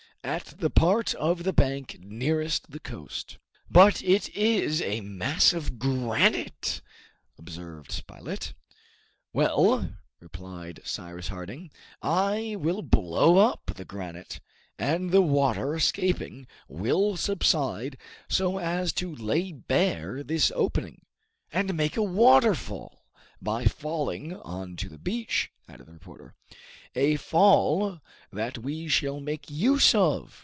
"At the part of the bank nearest the coast." "But it is a mass of granite!" observed Spilett. "Well," replied Cyrus Harding, "I will blow up the granite, and the water escaping, will subside, so as to lay bare this opening " "And make a waterfall, by falling on to the beach," added the reporter. "A fall that we shall make use of!"